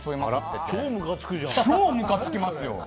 超むかつきますよ。